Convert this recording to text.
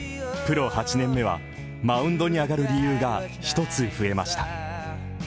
プロ８年目はマウンドに上がる理由が１つ増えました。